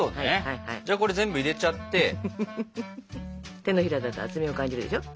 手のひらだと厚みを感じるでしょ。